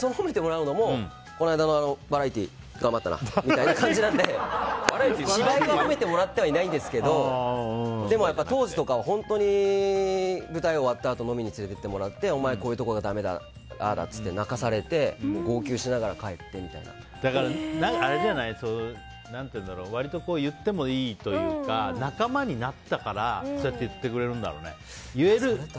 この間のバラエティー頑張ったなみたいな感じなので芝居は褒めてもらってはいないんですけど当時とか舞台終わったあとに飲みに連れて行ってもらってお前、こういうとこがだめだああだって言われて泣かされてだから割と言ってもいいというか仲間になったから、そうやって言ってくれるんだろうね。